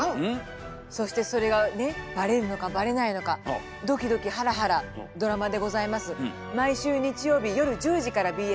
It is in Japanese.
そしてそれがねバレるのかバレないのかドキドキハラハラドラマでございます。